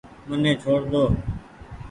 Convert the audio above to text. مني ڇوڙ ۮو۔